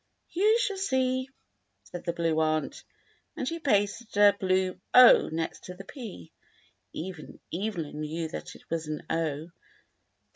"You shall see," said the Blue Aunt, and she pasted a blue next the P. Even Evelyn knew that it was an 0.